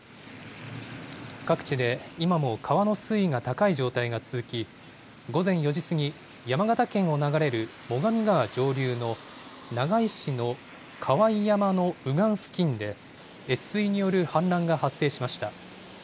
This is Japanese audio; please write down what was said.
各地で今も川の水位が高い状態が続き、午前４時過ぎ、山形県を流れる最上川上流の長井市の河井山の右岸付近で、越水による氾濫が発生しました。